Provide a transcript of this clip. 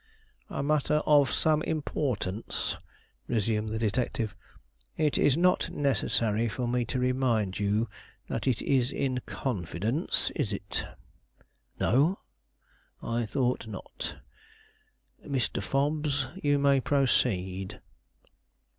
"A matter of some importance," resumed the detective. "It is not necessary for me to remind you that it is in confidence, is it?" "No." "I thought not. Mr. Fobbs you may proceed."